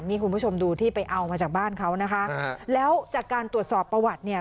นี่คุณผู้ชมดูที่ไปเอามาจากบ้านเขานะคะแล้วจากการตรวจสอบประวัติเนี่ย